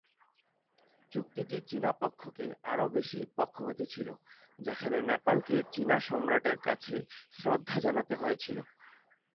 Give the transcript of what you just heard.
চুক্তিটি চীনা পক্ষকে আরও বেশি পক্ষপাতী ছিল যেখানে নেপালকে চীনা সম্রাটের কাছে শ্রদ্ধা জানাতে হয়েছিল।